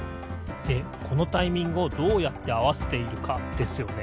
でこのタイミングをどうやってあわせているかですよね。